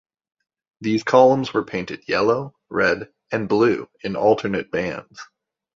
These columns were painted yellow, red and blue in alternate bands.